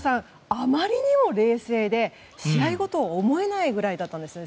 あまりにも冷静で試合後とは思えないくらいだったんですね。